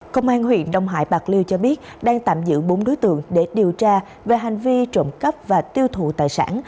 công an huyện đông hải bạc liêu cho biết đang tạm giữ bốn đối tượng để điều tra về hành vi trộm cắp và tiêu thụ tài sản